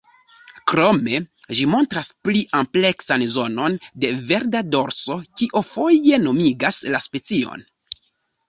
Krome ĝi montras pli ampleksan zonon de verda dorso, kio foje nomigas la specion.